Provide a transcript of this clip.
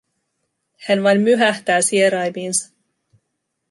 Hän vain myhähtää sieraimiinsa.